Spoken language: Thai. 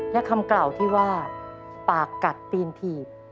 และคำกล่าวที่ว่าปากกัดตีนถีบ